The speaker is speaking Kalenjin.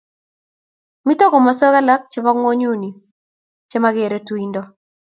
Mito komoswek alak chebonng'onyuni che mageere tuindo